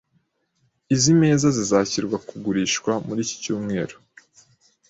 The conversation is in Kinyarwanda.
Izi meza zizashyirwa kugurishwa muri iki cyumweru